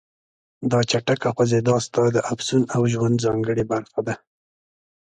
دا چټکه خوځېدا ستا د افسون او ژوند ځانګړې برخه ده.